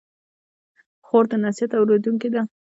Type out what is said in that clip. خور د نصیحت اورېدونکې ده.